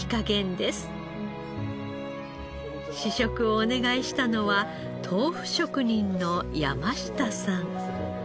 試食をお願いしたのは豆腐職人の山下さん。